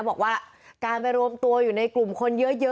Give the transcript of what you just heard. บอกว่าการไปรวมตัวอยู่ในกลุ่มคนเยอะ